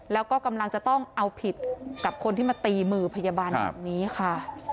แล้วก็กำลังจะต้องเอาผิดกับคนที่มาตีมือพยาบาลแบบนี้ค่ะ